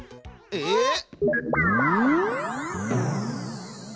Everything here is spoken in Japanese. えっ！？